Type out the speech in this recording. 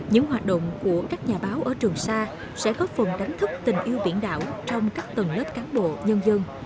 những hoạt động của các nhà báo ở trường sa sẽ góp phần đánh thức tình yêu biển đảo trong các tầng lớp cán bộ nhân dân